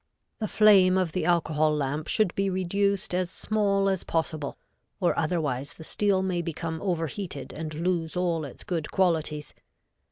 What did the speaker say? The flame of the alcohol lamp should be reduced as small as possible, or otherwise the steel may become overheated and lose all its good qualities.